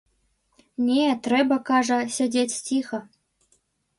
Не, трэба, кажа, сядзець ціха.